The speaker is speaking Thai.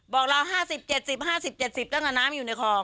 บอกเราห้าสิบเจ็ดสิบห้าสิบเจ็ดสิบตั้งแต่น้ำน้ำอยู่ในคลอง